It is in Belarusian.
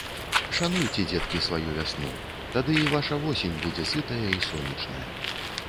Шануйце, дзеткі, сваю вясну, тады і ваша восень будзе сытая і сонечная.